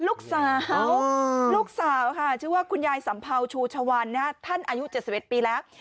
ลูกสาวลูกสาวค่ะชื่อว่าคุณยายสัมเภาชูชวันท่านอายุ๗๑ปีแล้ว